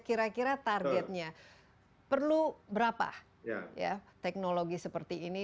kira kira targetnya perlu berapa ya teknologi seperti ini